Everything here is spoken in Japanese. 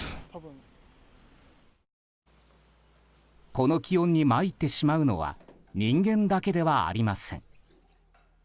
この気温に参ってしまうのは人間だけではありません。